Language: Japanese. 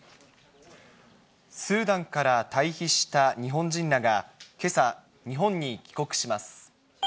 スーダンから退避した日本人らがけさ、日本に帰国します。